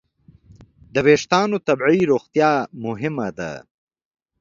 د وېښتیانو طبیعي روغتیا مهمه ده.